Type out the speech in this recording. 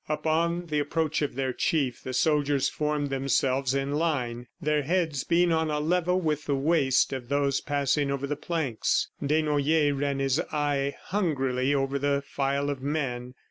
Upon the approach of their Chief, the soldiers formed themselves in line, their heads being on a level with the waist of those passing over the planks. Desnoyers ran his eye hungrily over the file of men.